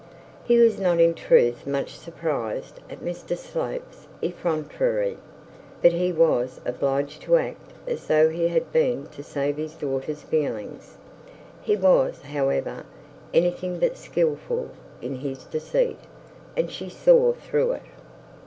He was not in truth much surprised at Mr Slope's effrontery; but he was obliged to act as though he had been, to save his daughter's feelings. He was, however, anything but skilful in his deceit, and she saw through it.